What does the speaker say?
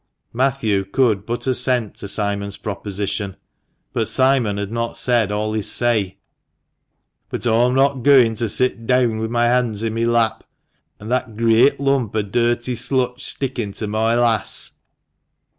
Matthew could but assent to Simon's proposition. But Simon had not said all his say. " But aw'm not gooin' to sit deawn wi' my honds i' mi' lap, an' that great lump o' dirty slutch stickin' to moi lass.